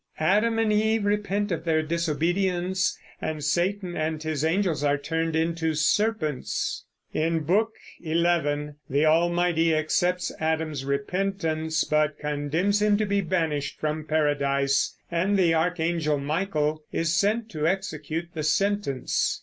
Adam and Eve repent of their disobedience and Satan and his angels are turned into serpents. In Book XI the Almighty accepts Adam's repentance, but condemns him to be banished from Paradise, and the archangel Michael is sent to execute the sentence.